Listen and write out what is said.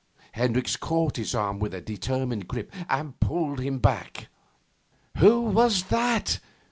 Hendricks caught his arm with a determined grip and pulled him back. 'Who was that?